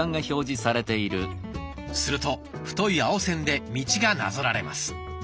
すると太い青線で道がなぞられます。